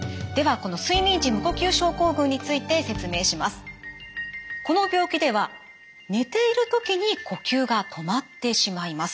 この病気では寝ている時に呼吸が止まってしまいます。